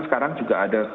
sekarang juga ada